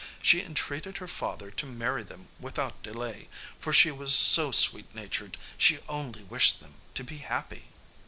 She entreated her father to marry them without delay, for she was so sweet natured she only wished them to be happy.